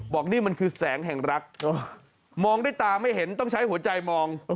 บอกนี่มันคือแสงแห่งรักมองด้วยตาไม่เห็นต้องใช้หัวใจมอง